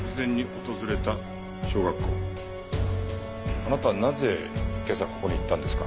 あなたなぜ今朝ここに行ったんですか？